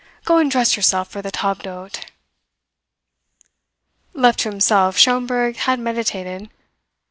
"Go and dress yourself for the table d'hote." Left to himself, Schomberg had meditated.